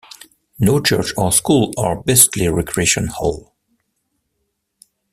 No church or school or beastly recreation hall!